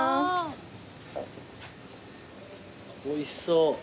おいしそう。